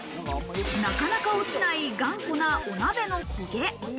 なかなか落ちない頑固なお鍋の焦げ。